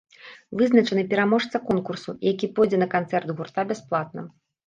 Вызначаны пераможца конкурсу, які пойдзе на канцэрт гурта бясплатна.